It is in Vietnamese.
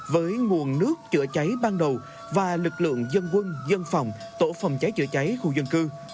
với nguồn nước chữa cháy ban đầu và lực lượng dân quân dân phòng tổ phòng cháy chữa cháy khu dân cư